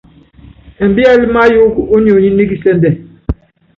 Ɛmbíɛ́lɛ́ máyɔɔ́k ó nionyi ní kisɛ́ndɛ.